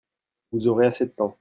Vous aurez assez de temps.